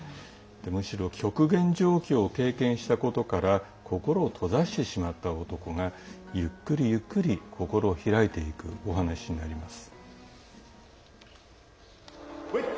むしろ極限状況を経験したことから心を閉ざしてしまった男がゆっくりゆっくり心を開いていくお話になります。